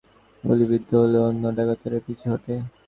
এতে ডাকাত সর্দার নুরুল বশর গুলিবিদ্ধ হলে অন্য ডাকাতেরা পিছু হটে।